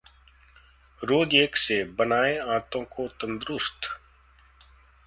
रोज एक सेब, बनाए आंतों को तंदुरुस्त